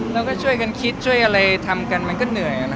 แล้วก็ช่วยกันคิดช่วยอะไรทำกันมันก็เหนื่อย